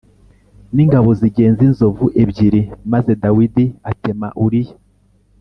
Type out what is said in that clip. n ingabo zigenza inzovu ebyiri maze Dawidi atema uriya